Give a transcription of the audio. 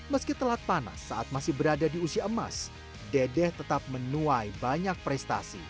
meski telat panas saat masih berada di usia emas dedeh tetap menuai banyak prestasi